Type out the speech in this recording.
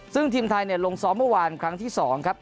ซึ่งทีมไทยลงซ้อมเมื่อวานครั้งที่๒ครับ